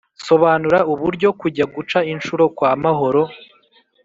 sobanura uburyo kujya guca inshuro kwa mahoro